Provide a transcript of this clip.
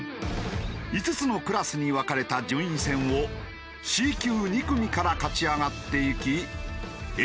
５つのクラスに分かれた順位戦をＣ級２組から勝ち上がっていきＡ